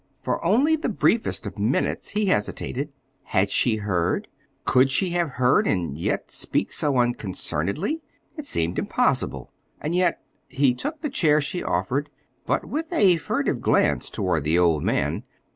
For only the briefest of minutes he hesitated. Had she heard? Could she have heard, and yet speak so unconcernedly? It seemed impossible. And yet—He took the chair she offered—but with a furtive glance toward the old man.